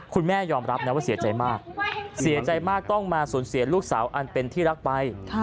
คุณแม่ยอมรับนะว่าเสียใจมากเสียใจมากต้องมาสูญเสียลูกสาวอันเป็นที่รักไป